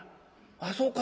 「あそうか。